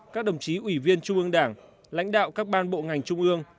các đồng chí ủy viên trung ương đảng lãnh đạo các ban bộ ngành trung ương